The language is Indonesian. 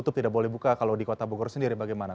itu tidak boleh buka kalau di kota bogor sendiri bagaimana